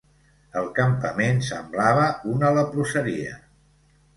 El campament semblava una leproseria.